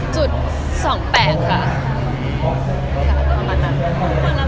ค่ะประมาณนั้น